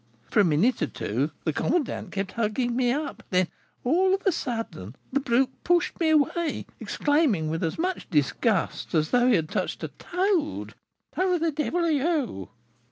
For a minute or two the commandant kept hugging me up, then, all of a sudden, the brute pushed me away, exclaiming with as much disgust as though he had touched a toad, 'Who the devil are you?'